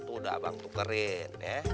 udah abang tukerin ya